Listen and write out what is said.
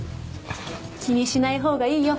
気にしないほうがいいよ。